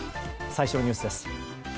最初のニュースです。